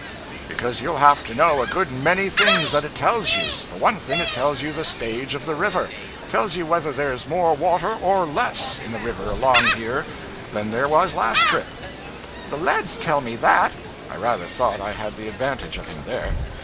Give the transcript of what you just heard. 'Because you'll have to know a good many things that it tells you. For one thing, it tells you the stage of the river tells you whether there's more water or less in the river along here than there was last trip.' 'The leads tell me that.' I rather thought I had the advantage of him there.